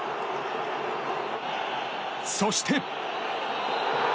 そして。